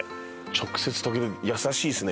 直接だけど優しいですね